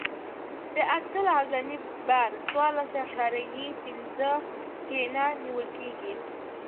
د اکسل اعظمي بار څوارلس اعشاریه پنځه ټنه نیول کیږي